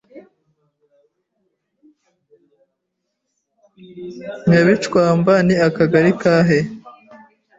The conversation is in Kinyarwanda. nyabicwamba ni akagari kahe